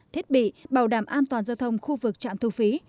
thiết bị bảo đảm an toàn giao thông khu vực trạm thu phí